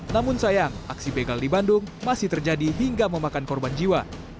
namun sayang aksi begal di bandung masih terjadi hingga memakan korban jiwa